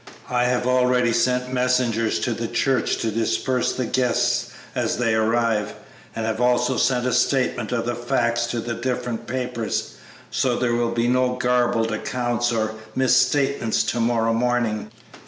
I have already sent messengers to the church to disperse the guests as they arrive, and have also sent a statement of the facts to the different papers, so there will be no garbled accounts or misstatements to morrow morning."